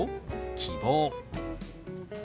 「希望」。